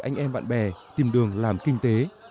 anh em bạn bè tìm đường làm kinh tế